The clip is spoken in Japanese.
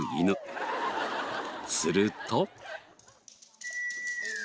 すると。